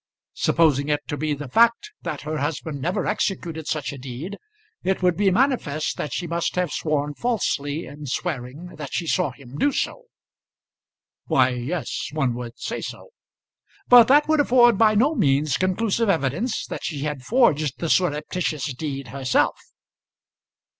Supposing it to be the fact that her husband never executed such a deed, it would be manifest that she must have sworn falsely in swearing that she saw him do so." "Why, yes; one would say so." "But that would afford by no means conclusive evidence that she had forged the surreptitious deed herself."